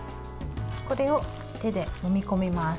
これを手で、もみ込みます。